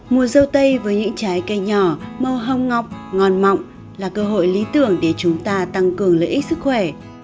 mùa râu tây với những trái cây nhỏ màu hồng ngọc ngon mọng là cơ hội lý tưởng để chúng ta tăng cường lợi ích sức khỏe